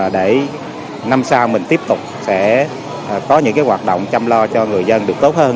để năm sao mình tiếp tục sẽ có những hoạt động chăm lo cho người dân được tốt hơn